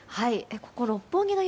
ここ、六本木の雪